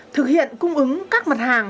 thực hiện cung ứng các mặt hàng